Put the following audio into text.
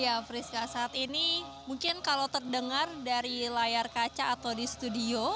ya friska saat ini mungkin kalau terdengar dari layar kaca atau di studio